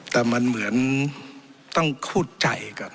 แต่มันเหมือนต้องพูดใจกับ